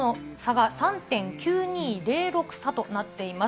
日本との差が３．９２０６差となっています。